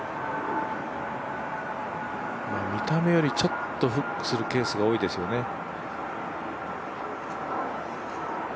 見た目よりちょっとフックするケースが多いですよね。